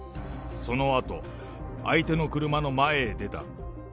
そのあと、相手の車の前へ出た。